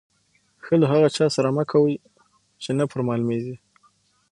ښه له هغه چا سره مه کوئ، چي نه پر معلومېږي.